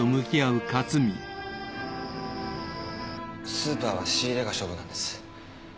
スーパーは仕入れが勝負なんです。